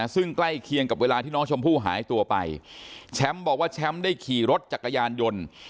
ซึ่งใกล้เคียงกับเวลาที่น้องชมพู่หายตัวไปแชมป์บอกว่าแชมป์ได้ขี่รถจักรยานยนต์